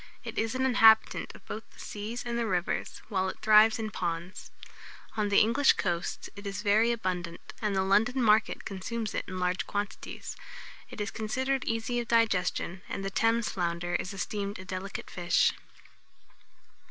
It is an inhabitant of both the seas and the rivers, while it thrives in ponds. On the English coasts it is very abundant, and the London market consumes it in large quantities. It is considered easy of digestion, and the Thames flounder is esteemed a delicate fish.